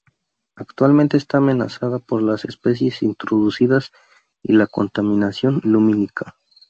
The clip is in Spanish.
Actualmente está amenazada por las especies introducidas y la contaminación lumínica.